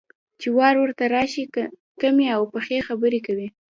چې وار ورته راشي، کمې او پخې خبرې کوي.